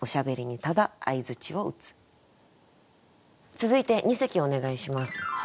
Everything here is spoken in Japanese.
続いて二席お願いします。